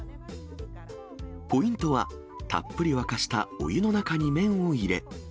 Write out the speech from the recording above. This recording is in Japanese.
ポイントは、たっぷり沸かしたお湯の中に麺を入れ。